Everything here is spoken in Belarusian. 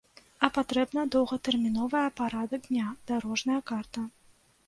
А патрэбна доўгатэрміновая парадак дня, дарожная карта.